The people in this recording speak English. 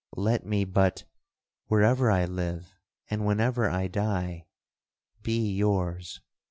Let me but, wherever I live, and whenever I die, be yours!